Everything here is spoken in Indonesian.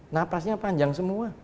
napasnya panjang semua